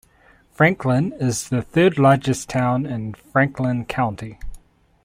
Franklin is the third largest town in Franklin County.